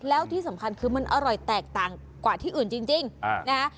แล้วที่สำคัญคือมันอร่อยแตกต่างกว่าที่อื่นจริงนะฮะ